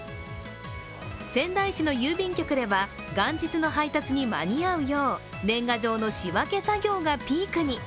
仙台市の郵便局では元日の配達に間に合うよう年賀状の仕分け作業がピークに。